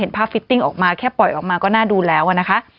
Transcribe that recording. ภาพฟิตติ้งออกมาแค่ปล่อยออกมาก็น่าดูแล้วนะคะ